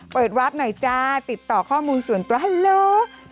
เปิดวับหน่อยจ้าติดต่อข้อมูลส่วนตัวฮัลโหล